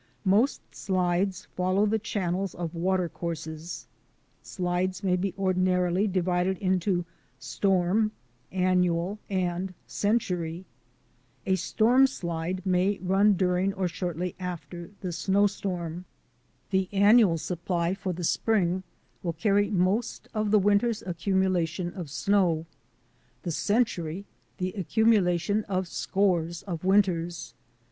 Most slides follow the channels of water courses. Slides may be ordinarily divided into storm, an nual, and century. A storm slide may run during or shortly after the snowstorm. The annual slide for the spring will carry most of the winter's ac cumulation of snow; the century, the accumula tion of scores of winters.